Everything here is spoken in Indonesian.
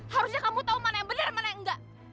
harusnya kamu tahu mana yang benar mana yang enggak